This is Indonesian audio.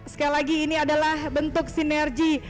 sekali lagi ini adalah bentuk sinergi